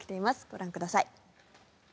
ご覧ください。